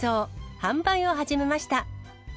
販売を始めました。